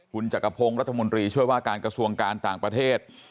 คุณจักรพงศ์รัฐมนตรีช่วยว่าการกระทรวงการต่างประเทศ